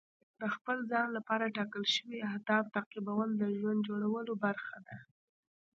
د خپل ځان لپاره ټاکل شوي اهداف تعقیبول د ژوند جوړولو برخه ده.